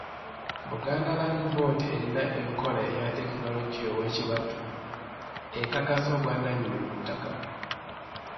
Buganda Land Board erina enkola eya ttekinologiya ow’ekibatu ekakasa obwannannyini ku ttaka.